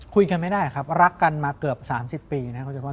คุยกันไม่ได้ครับรักกันมาเกือบ๓๐ปีนะครับ